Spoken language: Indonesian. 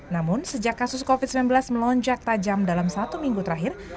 namun sejak kasus covid sembilan belas melonjak tajam dalam satu minggu terakhir